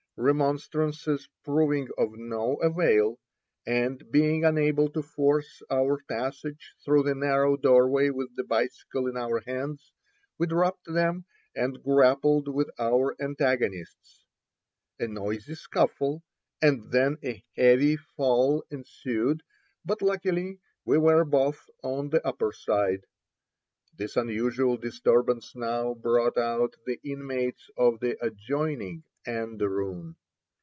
Remonstrances proving of no avail, and being unable to force our passage through the narrow doorway with the bicycles in our hands, we dropped them, and Ill 91 A PERSIAN WINE PRESS. grappled with our antagonists. A noisy scuffle, and then a heavy fall ensued, but luckily we were both on the upper side. This unusual disturbance now brought out the inmates of the adjoining anderoon.